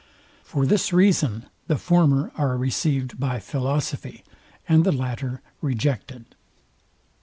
For this reason the former are received by philosophy, and the latter rejected.